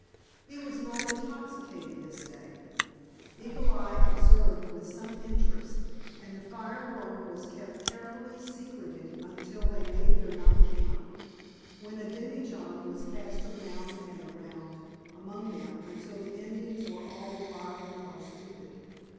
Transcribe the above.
He was not intoxicated this day, Eagle Eye observed with some interest, and the fire water was kept carefully secreted until they made their night camp, when a demijohn was passed around and around among them until the Indians were all wild or stupid.